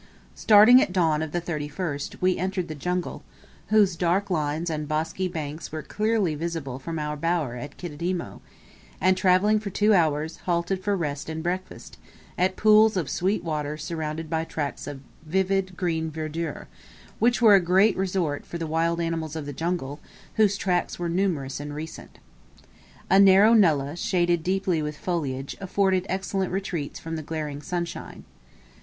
Starting at dawn of the 31st; we entered the jungle, whose dark lines and bosky banks were clearly visible from our bower at Kididimo; and, travelling for two hours, halted for rest and breakfast, at pools of sweet water surrounded by tracts of vivid green verdure, which were a great resort for the wild animals of the jungle, whose tracks were numerous and recent. A narrow nullah, shaded deeply with foliage, afforded excellent retreats from the glaring sunshine.